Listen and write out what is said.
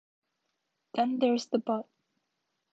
Then there's the but.